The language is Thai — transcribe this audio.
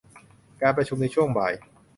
การประชุมในช่วงบ่าย